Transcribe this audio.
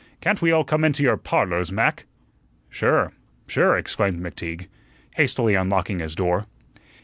Can't we all come into your 'Parlors', Mac?" "Sure, sure," exclaimed McTeague, hastily unlocking his door.